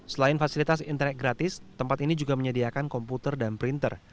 selain fasilitas internet gratis tempat ini juga menyediakan komputer dan printer